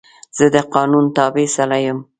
زه د قانون تابع سړی یم.